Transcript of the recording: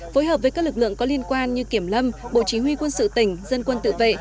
phối hợp với các lực lượng có liên quan như kiểm lâm bộ chí huy quân sự tỉnh dân quân tự vệ